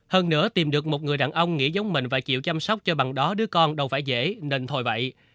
hơn nữa tìm được một người đàn ông nghĩ giống mình và chịu chăm sóc cho bằng đó đứa con đâu phải dễ nên thổi bậy